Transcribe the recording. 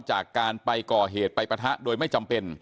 จากการไปก่อเหตุไปปะทะโดยไม่จำเป็น